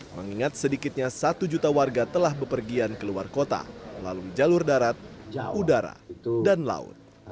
mengingat sedikitnya satu juta warga telah bepergian ke luar kota melalui jalur darat udara dan laut